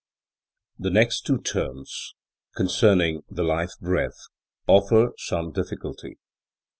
The next two terms, concerning the life breath, offer some difficulty.